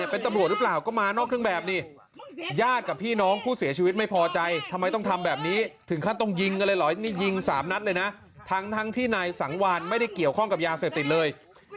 เพราะว่าตอนนั้นนายสังวานก็ไม่รู้